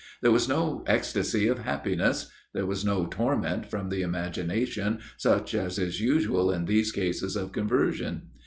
There was no ecstasy of happiness ; there was no torment from the imagination, such as is usual in these cases of conversion.